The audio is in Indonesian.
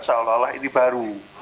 salah salah ini baru